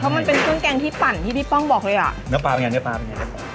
เพราะมันเป็นส่วนแกงที่ปั่นที่พี่ป้องบอกเลยอ่ะแล้วป่าเป็นยังไงป่าเป็นยังไง